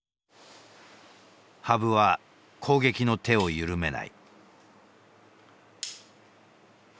羽生は攻撃の手を緩めない。